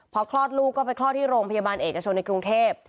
พอคลอดลูกก็ไฆลลงพยาบันเอกชนในกรุงเทพฯ